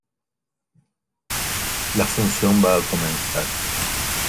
La función va a comenzar.